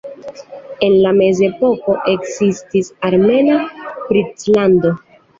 En la mezepoko ekzistis armena princlando.